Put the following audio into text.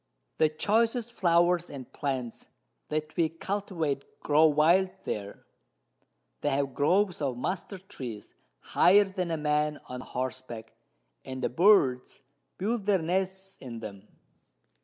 The choicest Flowers and Plants that we cultivate grow wild there; they have Groves of Mustard Trees higher than a Man on Horseback, and the Birds build their Nests in them.